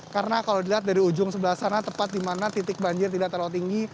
karena kalau dilihat dari ujung sebelah sana tepat di mana titik banjir tidak terlalu tinggi